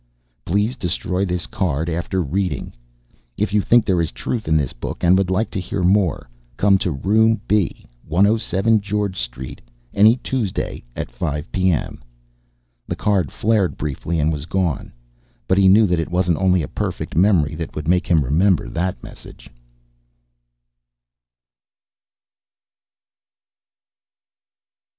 PLEASE DESTROY THIS CARD AFTER READING _If you think there is truth in this book and would like to hear more, come to Room B, 107 George St. any Tuesday at 5 P.M._ The card flared briefly and was gone. But he knew that it wasn't only a perfect memory that would make him remember that message.